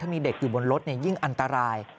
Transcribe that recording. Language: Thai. มีเด็กอยู่บนรถยิ่งอันตราย